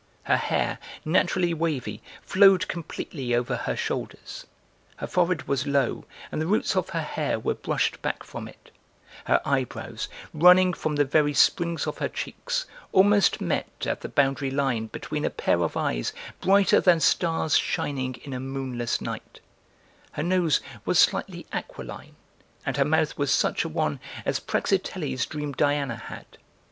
Her hair, naturally wavy, flowed completely over her shoulders; her forehead was low and the roots of her hair were brushed back from it; her eyebrows, running from the very springs of her cheeks, almost met at the boundary line between a pair of eyes brighter than stars shining in a moonless night; her nose was slightly aquiline and her mouth was such an one as Praxiteles dreamed Diana had.